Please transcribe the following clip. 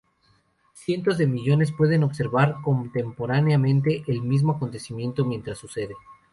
Cientos de millones pueden observar contemporáneamente el mismo acontecimiento mientras sucede.